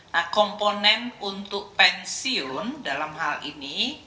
nah komponen untuk pensiun dalam hal ini